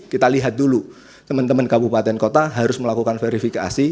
kita lihat dulu teman teman kabupaten kota harus melakukan verifikasi